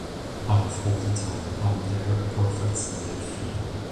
I have all the while I am there a perfect Sunday-feel.